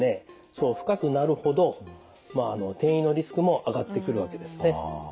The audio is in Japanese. その深くなるほど転移のリスクも上がってくるわけですね。